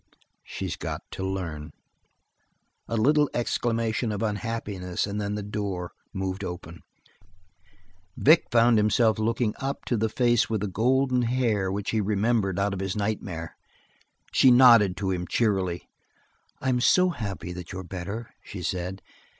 "She's got to learn." A little exclamation of unhappiness and then the door moved open; Vic found himself looking up to the face with the golden hair which he remembered out of his nightmare. She nodded to him cheerily. "I'm so happy that you're better," she said.